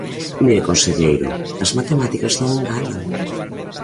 Mire, conselleiro, as matemáticas non enganan.